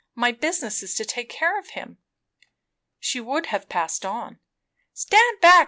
My business is to take care of him." She would have passed on. "Stand back!"